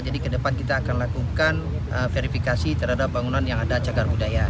jadi ke depan kita akan lakukan verifikasi terhadap bangunan yang ada cagar budaya